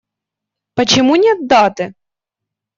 Почему нет даты?